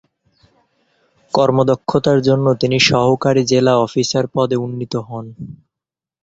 কর্মদক্ষতার জন্য তিনি সহকারী জেলা অফিসার পদে উন্নীত হন।